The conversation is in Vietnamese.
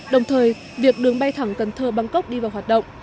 đồng thời việc đường bay thẳng cần thơ bangkok đi vào hoạt động